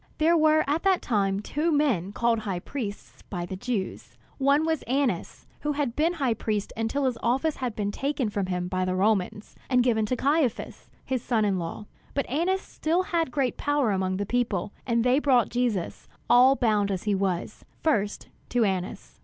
There were at that time two men called high priests by the Jews. One was Annas, who had been high priest until his office had been taken from him by the Romans, and given to Caiphas, his son in law. But Annas still had great power among the people; and they brought Jesus, all bound as he was, first to Annas.